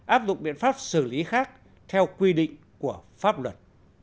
áp dụng biện pháp xử lý khác theo quy định của pháp luật